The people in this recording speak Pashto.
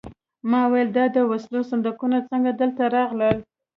ما وویل دا د وسلو صندوقونه څنګه دلته راغلل